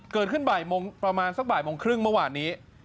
เกิดขึ้นประมาณสักบ่ายโมงครึ่งเมื่อวานนี้